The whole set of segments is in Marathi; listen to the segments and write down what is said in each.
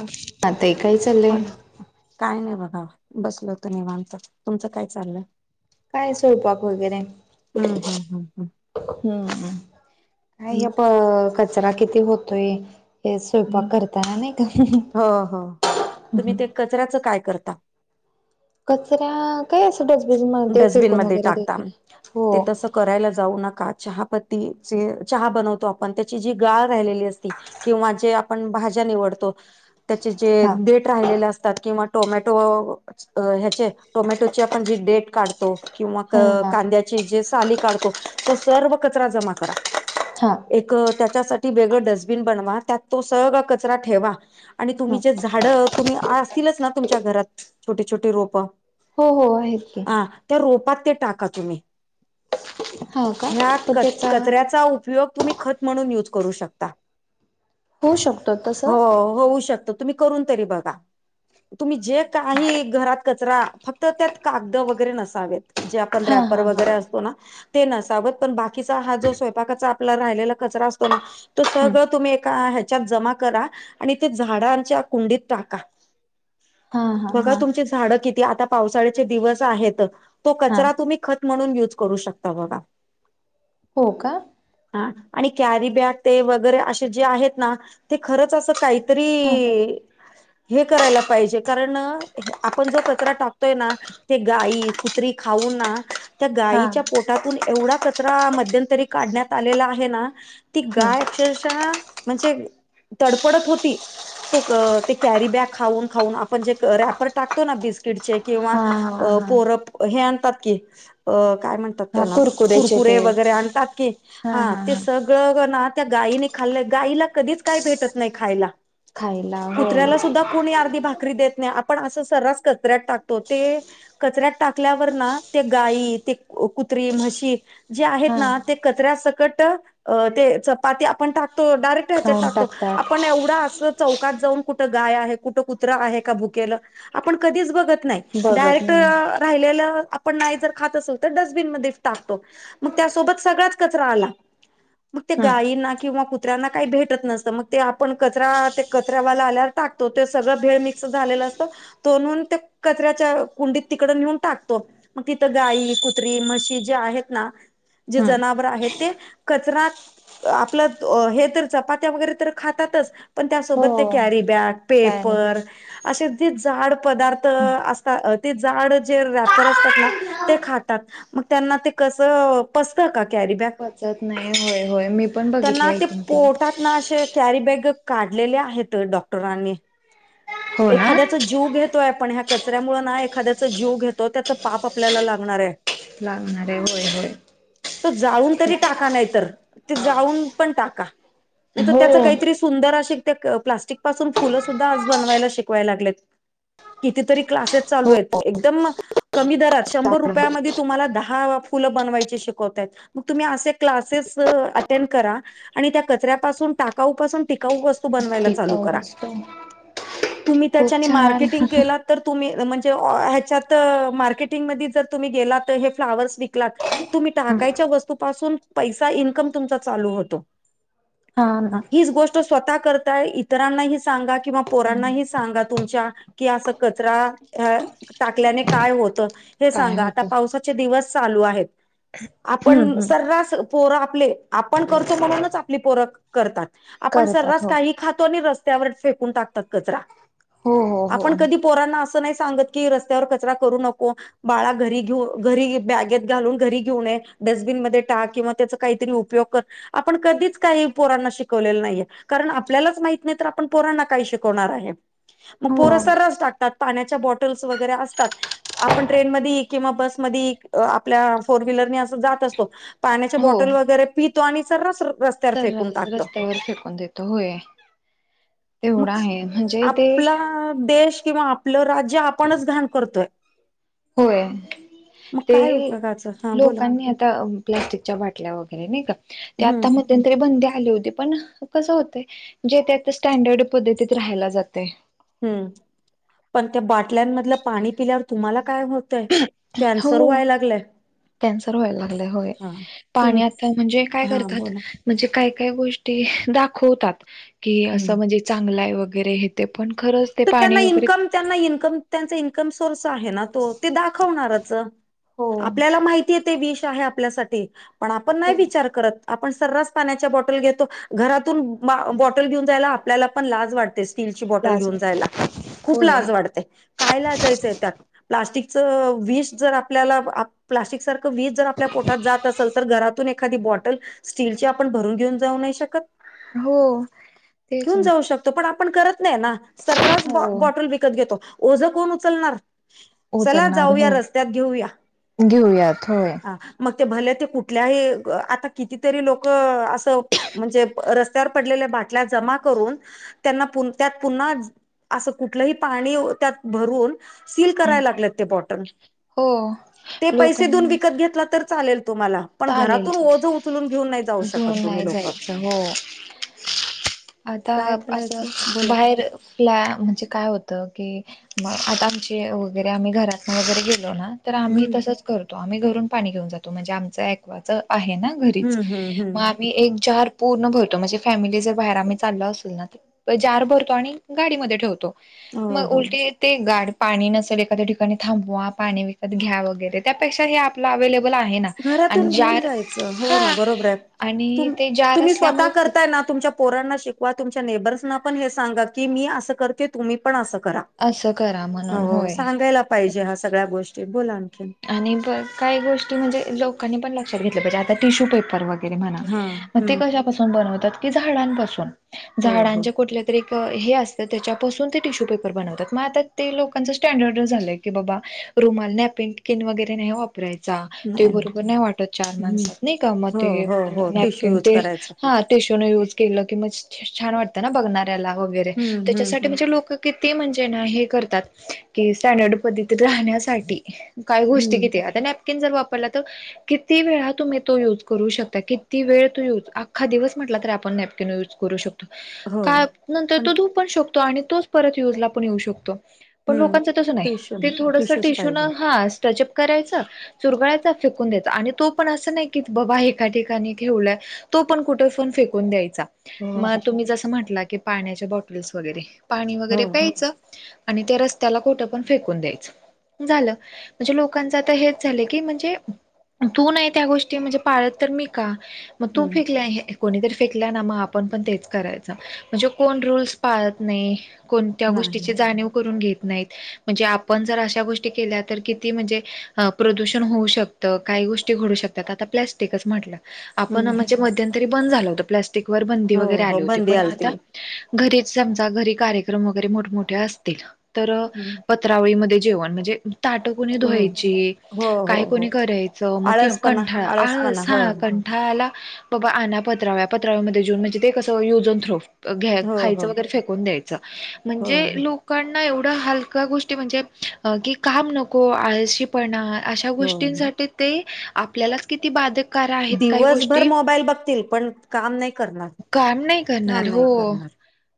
हो आताय काय चाललंय ना काय नाही बघा बसलं होतं निवांत तुमचं काय चाललंय काय स्वयपाक वगैरे हम्म हम्म हम्म हम्मम काय हम्म प कचरा किती होतोय हे हम्म स्वयंपाक करताना नाही का हो हो हो. तुम्ही ते कचऱ्याचं काय करता कचऱ्या काय असं डस्टबिन मध्ये फेकून डस्टबिनमध्ये वगैरे टाकता देतो हो ते तसं करायला जाऊ नका चहा पत्ती ज चहा बनवतो आपण त्याची जी गाळ राहिलेली असती किंवा जे आपण भाज्या निवडतो त्याचे जे हा देट राहिलेले असतात किंवा टोमॅटो ह्याचे टोमॅटोची आपण जी डेट काढतो किंवा क हा हा कांद्या जे साली काढतो तो सर्व कचरा जमा करा हां एक त्याच्यासाठी वेगळं डस्टबिन बनवा त्यात तो सगळा कचरा ठेवा आणि तुम्ही ह जे झाडं तुम्ही असतीलच ना तुमच्या घरात छोटी छोटे रोप हो हो आहे ह त्या रोपात ते टाका तुम्ही हा का ह्या पण त्याचा कचऱ्याचा उपयोग तुम्ही खत म्हणून युज करू शकता होऊ शकतो हो तसं होऊ शकत तुम्ही करून तरी बघा तुम्ही जे काही घरात कचरा फक्त त्यात कागद वगैरे नसाव जे आपण हा रपर हा वगरे हा असतो ना ते नसाव पण बाकीचा हा जो स्वयंपाकाचा आपला राहिलेला कचरा असतो ना तो सगळं तुम्ही एका ह्याच्यात जमा करा आणि ते झाडांच्या कुंडीत टाका हा हा बघा हा तुमची झाड किती आता पावसाळ्याचे दिवस आहेत तो हा कचरा तुम्ही खत म्हणून यूज करू शकता बघा, हो का? हा आणि कॅरी बॅग ते वगैरे असे जे आहेत ना ते खरंच असं काहीतरी हा हो हे करायला पाहिजे कारण आपण जो कचरा टाकतोय ना ते गाई कुत्री खाऊ ना त्या हा गायीच्या पोटातून एवढा कचरा मध्यंतरी काढण्यात आलेला आहे ना, ती हा गाय अक्षरश म्हणजे तडपडत होती. कॅरी बॅग खाऊन खाऊन आपण जे रॅपर टाकतो ना बिस्कटचे किंवा हा अ हा पोर हे आणतात की, अ काय म्हणत हा त्याला कुरकुरेचे कुरकुरे ते वगैरे आणतात की हा ते स सगळ ना त्या गाईने खाल्लं, गाईला कधीच काय भेटत नाही खायला. खायला होय कुत्र्याला सुद्धा कोणी अर्धी भाकरी देत नाही, आपण असं सर्रास कचऱ्यात टाकतो. ते कचऱ्यात टाकल्यावर ना ते गाई ते कुत्री, म्हशी, जे हा आहेत ना ते कचऱ्या सकट ते चपाती आपण टाकतो डायरेक्ट ्याच्यात खाऊन टाकतो आपण टाकतात एवढा अस चौकात जाऊन कुठं गाय आहे कुठं कुत्रं आहे का भुकेलं आपण कधीच बघत नाही. बघत डायरेक्ट नाही. राहिलेलं आपण नाही जर खात असेल तर डस्टबिन मध्ये टाकतो. मग त्यासोबत सगळाच कचरा आला. मग ते हम्म गायींना किंवा कुत्र्यांना काही भेटत नसतं. मग ते आपण कचरा ते कचऱ्यावाला आल्यावर टाकतो ते सगळं भेळ मिक्स झालेलं असत तो नेऊन कचऱ्या कुंडीत तिकड नेऊन टाकतो. मग तिथं गाई, कुत्री, म्हशी, जे आहेत ना जे हम्म. जनावर आहेत ते कचरा आपलं हे तर चपात्या वगैरे तर खातातच पण त्यासोबत ते हो कॅरी बॅग पेपर पॅराडाईज असे जे झाड पदार्थ अस ते जाड जे रॅपर असतात ना, ते खातात मग त्यांना ते कस पचता का कॅरी बॅग, पचत नाही होय होय मी पण बघितले त्यांना आय ते थिंक पोटात ना असे कॅरीबॅग काढलेल्या आहेत डॉक्टरांनी हो ना. एखाद्या जीव घेतोय आपण ह्या कचऱ्यामुळे ना एखाद्याच जीव घेतो त्याच पाप आपल्याला लागणार आहे. लागणार आहे होय होय. तो जाळून तरी टाका नाही तर, ते जाळून पण टाका, नाहीतर त्याचं हो काहीतरी सुंदर असे त्या प्लास्टिक पासून फुल सुद्धा आज बनवायला शिकवायला लागलेत कितीतरी क्लासेस चालू हो आहेत. एकदम कमी दरात शंभर रुपयांमध्ये तुम्हाला दहा फुलं बनवायचे शिकवतायेत मग तुम्ही असे क्लासेस अटेंड करा आणि त्या कचऱ्यापासून टाकाऊ पाासून टिकाऊ वस्तू बनवायला चालू टिकाऊ करा, असतो तुम्ही खूप त्याच्यानी छान. मार्केटिंग केलं तर तुम्ही म्हणजे ह्याच्यात मार्केटिंगमध्ये जर तुम्ही गेला तर हे फ्लावर्स विकलात तुम्ही टाकायच्या वस्तूपासून पैसा इनकम तुमचा चालू होतो. हा ना. ही गोष्ट स्वतः करताय इतरांनाही सांगा किंवा सांग पोरांनाही सांगा तुमच्या की अस कचरा टाकल्याने काय होतं हे काय सांगा आता होतं. पा दिवस चालू आहेत. हम्म आपण हम्म. सर्रास पोर आपले आपण करतो म्हणूनच आपली पोर करतात. आपण करतात सर्रास हो. काही खातो आणि र रस्त्यावर फेकून टाकतात कचरा हो हो आपण हो कधी पोरांना असं नाही सांगत की, रस्त्यावर कचरा करू नको, बाळा घरी घेऊ घरी बॅगेत घालून घरी घेऊ ने डस्टबिनमध्ये टाक किंवा त्याचा काहीतरी उपयोग कर. आपण कधीच काही पोरांना शिकवलेलं नाहीये, कारण आपल्यालाच माहीत नाही तर आपण पोरांना काय शिकवणार आहे मग पोर हो. सर्रास टाकतात पाण्याच्या बॉटल वगैरे असतात. आपण ट्रेन मध्ये किंवा बस मध्ये आपल्या फोर व्हीलरने अस जात पाण्याच्या बॉटल वगैरे पितो आणि सर्रास र तर रस्त्यावर फेकून देतो होय. तेवढं मग आहे म्हणजे ते आपला देश. किंवा आपलं राज्य आपणच घाण करतोय. होय. मग ते काय उपयोगाचं हा बोला लोकांनी आता प्लास्टिकच्या बाटल्या वगैरे नाही का ते हम्म आता म तेतरी बंदी आली होती पण कसं होत जे ते आ स्टँडर्ड पद्धतीत राहायला जातेय. हम्म पण त्या बाटल्यांमधलं पाणी पिल्यावर तुम्हाला काय होत. तय कॅन्सर हो व्हाय लागलंय. कॅन्सर व्हायला लागलाय होय तुम पाणी आता म्हणजे काय हा करतात. बोला म्हणजे काय काय गोष्टी दाखवतात की असं हम्म म्हणजे. चांगलाय वगैरे हे ते पण खरंच. ते तर पाणी त्यांना वगैरे इन्कम त्यांना इन्कम त्यांचा इन्कम सोर्स आहे ना. ते दाखवणारच हो आपल्याला माहितीय ते विष आहे आपल्यासाठी. पण आपण नाही हो विचार करत. आपण सर्रास पाण्याच्या बॉटल घेतो घरातून बा बॉटल घेऊन जायला आपल्याला पण लाज वाटतेस. स्टीलची बॉटल लाज घेऊन जायला खूप होय लाज वाटते काय लाजायचं त्यात. प्लास्टिकच विष जर आपल्याला आ प्लास्टिक सारखं विष जर आपल्या पोटात जात असेल तर घरातून एखादी बॉटल. स्टील आपण भरून घेऊन जाऊ नाही शकत. हो तेच. त पण आपण करत नाही ना सर्रास बॉ हो बॉटल विकत घेतो ओझं कोण उचलणार. चला उचलणार जाऊया हो रस्त्यात घेऊया घेऊयात होय. हा. मग ते भले ते कुठल्याही आता कितीतरी लोक असं. म्हणजे रस्त्यावर पडलेल्या बाटल्या जमा करून त्यांना त्यात पुन्हा. असं कुठलंही पाणी त्यात भरून सील करायला लागलेत ते बॉटन. हो ते पैसे देऊन लोकांनाच विकत घेतला तर चालेल तुम्हाला. पण चालेल घरातून ओझं उचलून घेऊन नाही जाऊ शकत घेऊन तुम्ही नाही लोक जायचं हो. आता काय बोलायचं असं बोला बाहेर ला म्हणजे काय होतं की. मग आता आमचे वगैरे आम्ही घरातन वगैरे गेलो ना. तर आम्ही हम्म तसंच करतो आम्ही घरून पाणी घेऊन जातो म्हणजे आमचं ऐक्वाचं आहे ना. घरीच हम्म हम्म मग हम्म आम्ही एक जार पूर्ण भरतो म्हणजे फॅमिली जर बाहेर आम्ही चालो असेल ना तर. जार भरतो आणि गाडीमध्ये ठेवतो हो मग हो उलटी. ते गाड पाणी नसेल एखाद्या ठिकाणी थांबवा पाणी विकत घ्या वगैरे त्यापेक्षा हे आपलं अवे्हेलेबल आहे ना. आणि घरातून घेऊन जार जायचं हो ना बरोबर आहे आणि तु ते जार तुम्ही स्वतः असल्यामुळे खूप करताय ना तुमच्या. पोरांना शिकवा तुमच्या नेबर्सना पण हे सांगा की मी असं करते तुम्ही पण असं करा. असं करा म्हणून हो होय सांगायला पाहिजे हा सगळ्या गोष्टी बोला आणखीन. आणि ब काही गोष्टी म्हणजे लोकांनी पण लक्षात घेतल्या पाहिजे आता टिश्यू पेपर व गैरे हा मग ते हम्म कशापासून बनवतात की झाड पासून हो हो झाडांचे कुठल्या तरी असत त्याच्याून ते टिश्यू पेपर बनतात मग आ ते लोकांच स्टडर्ड झालंय की बाबा. रुमाल नाही पेंटिन वगैरे नाही. वापरायचा ते बरोबर नाही वाटत चार हम्म माणसात नाही का मग हो ते. हो हो टिश्यू नॅपकिन यूज ते करायचा हा टिशू युज. केलं की म छान वाटतं ना बघणाऱ्याला वगैरे हम्म हम्म त्याच्यासाठी हम्म म्हणजे लोक. किती म्हणजे ना हे करतात की स्टँडर्ड पद्धतीत राहण्यासाठी. काय गोष्टी हम्म किती आता नॅपकिन जर वापरला तर. किती वेळा तुम्ही तो युज करू शकता किती वेळ तू युज अख्खा दिवस म्हटला त आपण नॅप कीन यूज करू शकतो. हो का नंतर तो धू पण शकतो आणि तोच परत यूजला पण येऊ शकतो. पण हम्म लोकांचं तसं नाही टिश्यू ते थोडस टिश्यूच टिश्यू न पाहिजे हा स्ट्रचअप करायचं. चुरगळाचा फेकून द्यायचा आणि तो पण असं नाही की बाबा एका ठिकाणी ठेवलंय. तो पण कुठे पण फेकून द्यायचा हो मग हो तुम्ही जसं म्हटलं की पाण्याच्या बॉटल्स वगैरे पाणी हो वगैरे प्यायचं आणि त्या रस्त्याला कठं पण फेकून द्यायचं झालं. म्हणजे लोकांच आता हेच झालंय की म्हणजे, तू नाही त्या गोष्टी म्हणजे पाळत तर मी का मग तू हम्म फेकला. कोणीतरी फेकल्या ना मग आपण पण तेच करायच म्हणजे कोण रूल्स पाळत नाही. कोणत्या नाही गोष्टीची जाणीव करून घेत नाहीत म्हणजे आपण जर अश्या गोष्टी केल्या तर क. ती म्हणजे प्रदूषण होऊ शकतं काही गोष्टी घडू शकतात आता प्लॅस्टिकच म्हटलं. आपण हम्म म्हणजे मध्यंतरी बंद झालं होत प्लास्टिक वर बंदी हो वगैरे हो आले होती बंदी पण आलती आता. घरी समज घरी कार्यक्रम वगैरे मोठमठे असतील तर, हं. त्राळीमध्ये जेवण म्हणजे ताट. कोणी हो धुवायची हो हो काय हो कोणी करायचं मग आळसपणा कंठाळा आळसपणा हो आ कं. ा आला बाबा आण पत्रव्या पत्रव्यामध्येध्येेऊन म्हणजे ते कस युजन थ्रो. घ्या हो हो खायचं वगैरे फेकून द्यायचं म्हणजे हो लोक. एवढा हलका गोष्टी म्हणजे की काम नको आशी. पण अशा हो गोष्टींसाठी ते आपल्यालाच किती बाधक दिवसभर मोबाईल बघतील पण काम नाही करणार. काम नाही काम करणार हो नाही करणार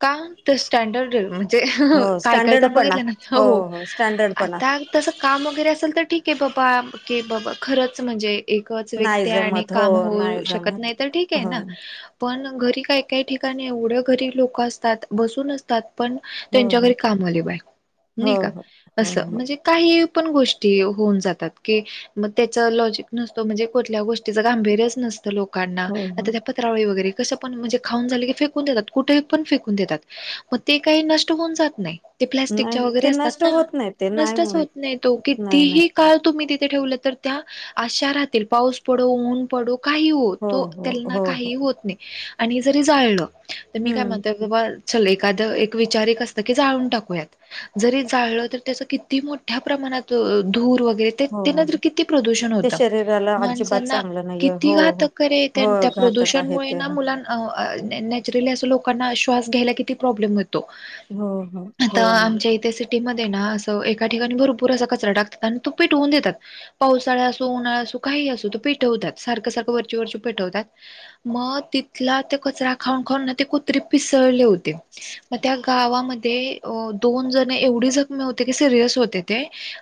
का तर स्टँडर्ड. म्हणजे हो काय काय तर स्टँडर्डपणा बघितलं ना हो स्टँडर्डपणा आता. तसं काम वगैरे असेल तर ठीक आहे बाबा क बाबा खरंच म्हणजे,, एकच नाही व्यक्ती आणि जमत हो काम नाही होऊ शकत जमत नाही तर ठीक आहे हो ना. पण घरी काय काही ठिकाणी एवढ्या घरी लोक असतात बसून असतात. पण हो त्यांच्या घरी काम आले बाय हो नाही का हो हो असं हो म्हणजे,, काही पण गोष्टी होऊन जातात की. मग त्याच लॉजिक नसतो म्हणजे कुठल्या गोष्टीच गांभीर्यच नसतं लोकांना हो आ हो पत्रव वगैरे कं पणजे खाऊन झाले की फेकून देतात कुठे पण फेकून देतात. मग ते काही नष्ट होऊन जात नाही ते नाही प्लस्टिकच्या वगैरे ते असतात नष्ट ना. होत नाही ते नाही. होऊन होत नाही तो नाही नाही कितीही. काळ तुम्ही तिथे ठेवलं तर त्या आशारातील पाऊस पडवून. पड काही हो तो हो त्यां हो हो काही होत नाही आणि जरी जाळलं तर मी काय हम्म म्हणत. बा च एखाद एक विचार एक असत की जाळून टाकूयात जरी जाळलं तर त्याच क ती मोठ्या प्रमाणात धूर वगैरे. हो हो नंतर हो. किती प्रदूषण ते होत शरीराला अजिबात माणसांना चांगलं नाहीये किती हो घात हो कर. त्या हो त्या घातक आहे प्रदूषणमुळे ते ना हो मुलां नॅचरली असं लोकांना श्वास घ्यायला किती प्रॉब्लेम होत. हो आता हो ना आमच्या इथे सिट म एका ठिकाणी भरपर असा कचरा टकतात आणि तो पेटवून देतात. वसाळा असो उन्हाळा असू काही असू तो पेठवतात सारखं सारखं वरची वरची पेठवतात. मग तिथला ते कचरा खाऊन खाऊन ना ते कुत्रीे पिसळले होते. मग त्या गावामध्ये दोन जण एवढी जखमी होते की सिरियस होते. ते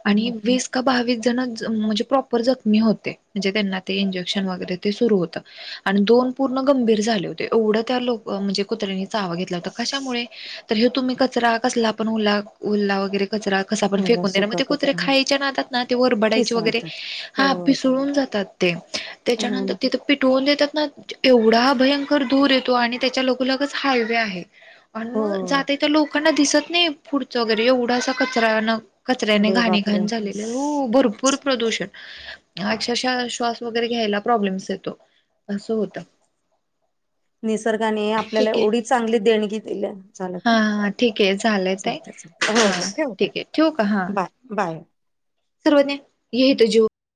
अरे आणि वेस्. का बावीस जण म्हणजे प्रॉपर जखमी होते म्हणजे त्यांना ते इंजेक्शन वगैरे ते सुरु होत आणि दोन पूर्ण गंभीर झाले होते एवढं त्या लोक. म्हणजे कुत्र्यांनी चावा घेतला होता कशामुळे. तर हे तुम्ही कचरा कसला पण उला उलला वगैरे कचरा. कसं आपण मला फेकून देणार मग सुका ते कुत्रे कचरा खायच्या नाहतात ना ते वरडयचे वगैरे पिसाळतात हो हापिसळून जातात. ते त्याच्यानंतर हम्म. तिथे पिटवून देतात ना एवढा हा भयंकर दूर येतो आणि त्याच्या लोक लगच हायवे आहे. आणि हो मग जाते तर लोकांना दिसत नाही पुढचं वगैरे एवढासा कचरा न कचऱ्याने अरे घाणी बापरे घाण झालेले हो भरर,, पूर प्र्रदूषण अक्षरशः श्वास वगैरे घ्यायला प्रॉब्लेम्स येतो असं होतं. निसर्गाने आपल्याला ठीक आहे एवढी चांगली देणगी दिली झालं हा का हा ठीक आहे झालंय ताई. चालतय चालतय हो हा हो ठेवू का ठीक आहे बाय बाय सर्व नाही येतो जीव